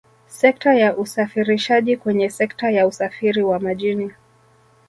sekta ya usafirishaji kwenye sekta ya usafiri wa majini